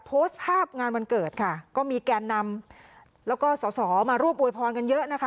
โพสต์ภาพงานวันเกิดค่ะก็มีแกนนำแล้วก็สอสอมาร่วมอวยพรกันเยอะนะคะ